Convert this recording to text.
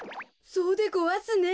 そうでごわすね。